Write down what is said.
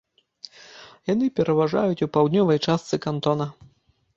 Яны пераважаюць у паўднёвай частцы кантона.